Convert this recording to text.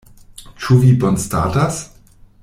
Ĉu vi bonstatas?